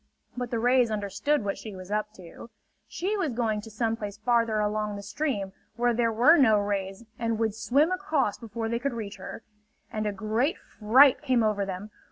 But the rays understood what she was up to. She was going to some place farther along the stream where there were no rays and would swim across before they could reach her. And a great fright came over them.